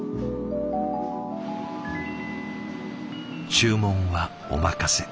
注文はお任せ。